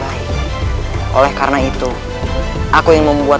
lain oleh karena itu aku yang membuat